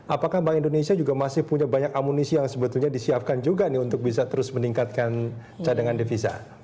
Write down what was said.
apakah bank indonesia juga masih punya banyak amunisi yang sebetulnya disiapkan juga nih untuk bisa terus meningkatkan cadangan devisa